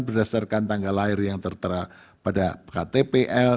berdasarkan tanggal lahir yang tertera pada ktpl